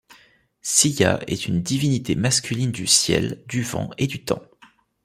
Silla est une divinité masculine du ciel, du vent et du temps.